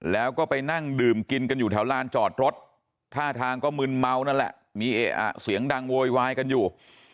แล้วก็ไปนั่งดื่มกินกันอยู่แถวลานจอดรถท่าทางก็มึนเมานั่นแหละมีเอ๊ะเสียงดังโวยวายกันอยู่